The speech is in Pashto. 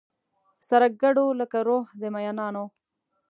سره ګډو لکه روح د مینانو